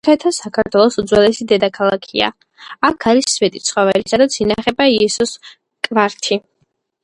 მცხეთა საქართველოს უძველესი დედაქალაქია. აქ არის სვეტიცხოველი, სადაც ინახება იესოს კვართი.